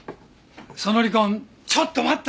「その離婚ちょっと待った！」